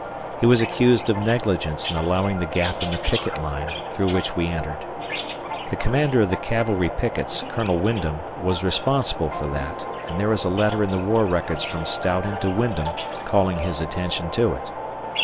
He was accused of negligence in allowing the gap in the picket line through which we entered. The commander of the cavalry pickets, Colonel Wyndham, was responsible for that, and there is a letter in the War Records from Stoughton to Wyndham, calling his attention to it.